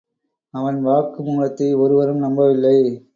அவன் வாக்கு மூலத்தை ஒருவரும் நம்பவில்லை.